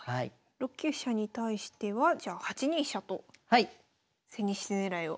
６九飛車に対してはじゃあ８二飛車と千日手狙いを。